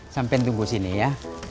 sampai tunggu sini ya